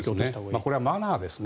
これはマナーですね。